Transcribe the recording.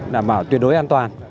đảm bảo tuyệt đối an toàn